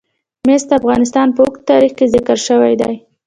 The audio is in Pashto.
مس د افغانستان په اوږده تاریخ کې ذکر شوی دی.